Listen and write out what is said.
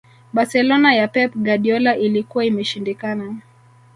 barcelona ya pep guardiola ilikuwa imeshindikana